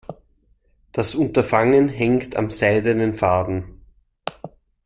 Das Unterfangen hängt am seidenen Faden.